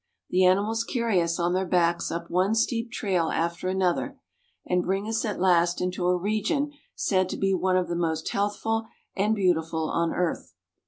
The animals carry us on their backs up one steep trail after another, and bring us at last into a region said to be one of the most healthful and beautiful on earth.